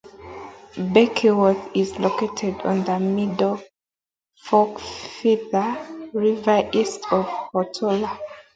Beckwourth is located on the Middle Fork Feather River east of Portola.